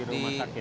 di rumah sakit